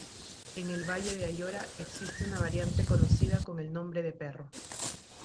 En el Valle de Ayora existe una variante conocida con el nombre de perro.